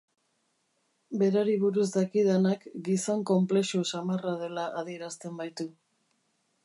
Berari buruz dakidanak gizon konplexu samarra dela adierazten baitu.